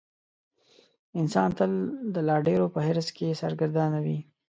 انسان تل د لا ډېرو په حرص کې سرګردانه وي.